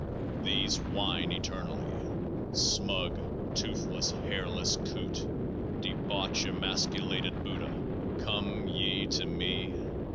These whine eternally. Smug, toothless, hairless Coote, debauch emas culated Buddha, come ye to me?